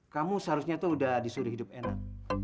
kamu seharusnya tuh udah disuruh hidup enak